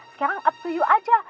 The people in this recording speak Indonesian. sekarang ap to you aja